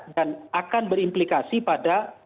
dan akan berimplikasi pada